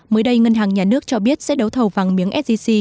mới đây ngân hàng nhà nước cho biết sẽ đấu thầu vàng miếng sgc